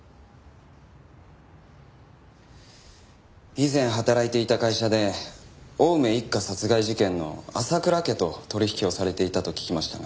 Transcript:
以前働いていた会社で青梅一家殺害事件の浅倉家と取引をされていたと聞きましたが。